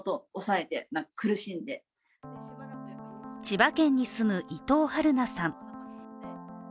千葉県に住む伊藤春菜さん。